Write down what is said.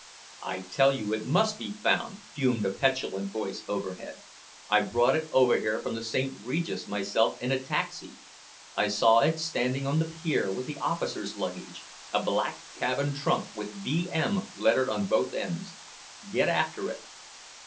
"I tell you it must be found," fumed a petulant voice overhead. "I brought it over from the St. Regis myself in a taxi. I saw it standing on the pier with the officers' luggage, a black cabin trunk with V.M. lettered on both ends. Get after it."